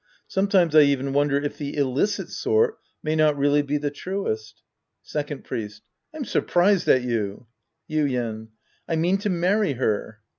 Sometimes I even wonder if the illicit sort may not really be the truest_ Second Priest. I'm surprised at you. Yuien. I mean to marry her.